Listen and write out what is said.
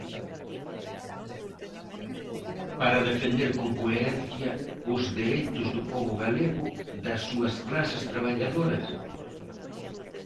Para defender con coherencia os dereitos do pobo galego, das súas clases traballadoras?